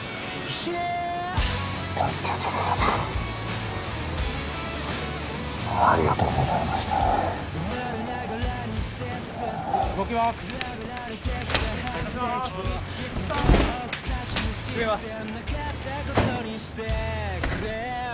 助けてくれてありがとうございました動きます閉めます